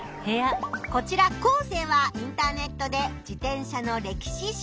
こちらコウセイはインターネットで自転車の歴史調べ。